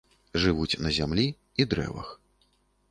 Жывуць на зямлі і дрэвах.